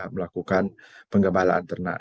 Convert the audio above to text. melakukan penggembalaan ternak